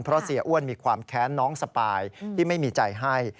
เพราะเสียอ้วนมีความแค้นน้องสปายที่ไม่มีใจให้